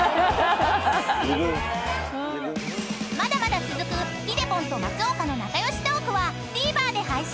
［まだまだ続くひでぽんと松岡の仲良しトークはＴＶｅｒで配信。